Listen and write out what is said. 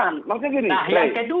nah yang kedua